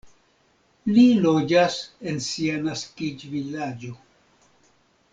Li loĝas en sia naskiĝvilaĝo.